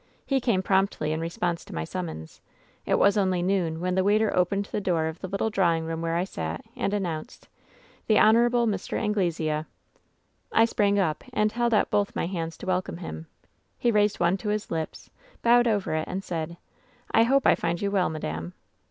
"He came promptly in response to my summons. It was only noon when the waiter opened the door of the little drawing room where I sat, and announced :" 'The Hon. Mr. Anglesea.' "I sprang up and held out both my hands to welcome him. "He raised one to his lips, bowed over it, and said :" *I hope I find you well, madame.